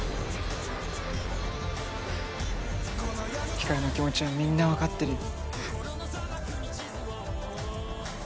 ヒカルの気持ちはみんな分かってるよ。